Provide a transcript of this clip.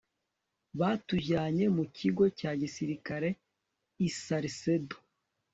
batujyanye mu kigo cya gisirikare i salcedo